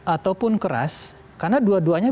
ataupun keras karena dua duanya